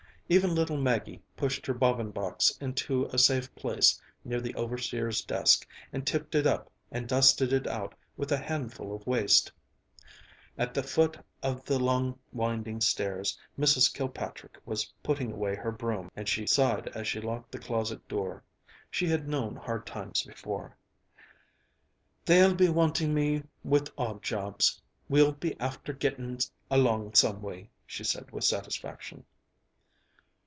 Even little Maggie pushed her bobbin box into a safe place near the overseer's desk and tipped it up and dusted it out with a handful of waste. At the foot of the long winding stairs Mrs. Kilpatrick was putting away her broom, and she sighed as she locked the closet door; she had known hard times before. "They'll be wanting me with odd jobs; we'll be after getting along some way," she said with satisfaction.